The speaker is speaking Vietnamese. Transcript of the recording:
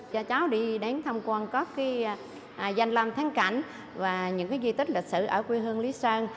cho cháu đi đến thăm quan có cái danh lâm tháng cảnh và những ghi tích lịch sử ở quê hương lý sơn